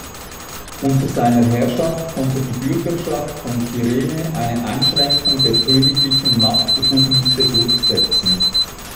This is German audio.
Unter seiner Herrschaft konnte die Bürgerschaft von Kyrene eine Einschränkung der königlichen Machtbefugnisse durchsetzen.